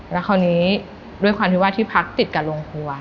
แล้วคราวนี้ด้วยความที่ว่าที่พักติดกับโรงครัว